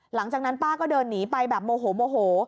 หลังจากนั้นป้าก็เดินหนีไปแบบโมโหโมโห